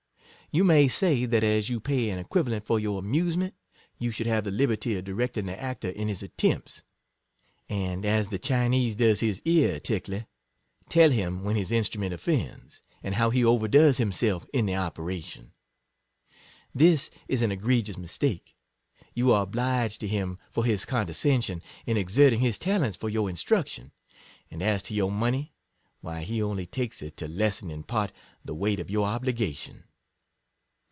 You may say, that as you pay an equivalent for your amusement, you should have the liberty of directing the actor in his attempts ; and as the Chinese does his ear tickler, tell him when his instrument of fends, and how he overdoes himself in the operation. This is an egregious mistake: you are obliged to him for his condescension in ex erting his talents for your instruction ; and as to your money, why he only takes it to lessen in part the weight of your obligation.